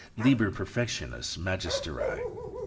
Liber Perfectionis Magisterii.